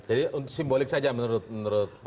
jadi simbolik saja menurut pak bang ferry